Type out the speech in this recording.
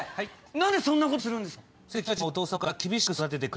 何でそんなことするんですか？